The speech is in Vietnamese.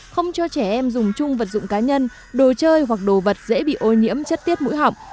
không cho trẻ em dùng chung vật dụng cá nhân đồ chơi hoặc đồ vật dễ bị ô nhiễm chất tiết mũi họng